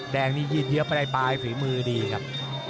แดงนี่ยืดเยอะไปได้ปลายฝีมือดีครับ